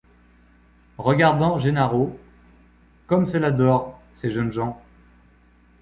Regardant Gennaro. — Comme cela dort, ces jeunes gens !